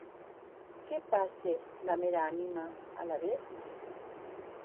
Qué passe damb era anima, alavetz?